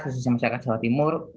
khususnya masyarakat jawa timur